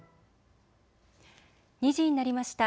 ２時になりました。